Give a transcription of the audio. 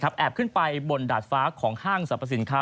อาบขึ้นไปบนดาดฟ้าของห้างสถานกวัฒนธรรมสินค้า